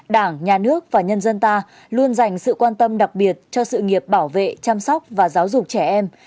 đảng nhà nước và nhân dân ta luôn dành sự quan tâm đặc biệt cho sự nghiệp bảo vệ chăm sóc và giáo dục trẻ em